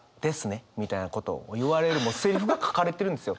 みたいなことを言われるセリフが書かれてるんですよ。